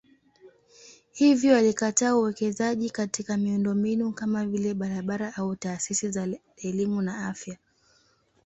Hivyo alikataa uwekezaji katika miundombinu kama vile barabara au taasisi za elimu na afya.